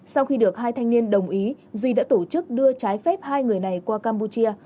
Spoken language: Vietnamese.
sau khi được hai thanh niên đồng ý duy đã tổ chức đưa trái phép hai người này qua campuchia